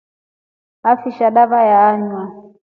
Afishia dava ya anywa.